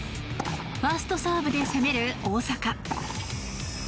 ファーストサーブで攻める大坂。